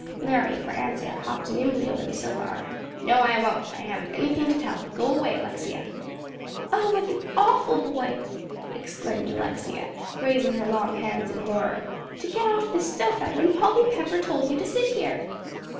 Larry, for answer, hopped nimbly over the sofa arm. "No, I won't. I haven't anything to tell. Go away, Alexia." "Oh, what an awful boy," exclaimed Alexia, raising her long hands in horror, "to get off this sofa, when Polly Pepper told you to sit here."